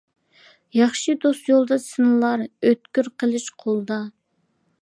ياخشى دوست يولدا سىنىلار، ئۆتكۈر قىلىچ قولدا.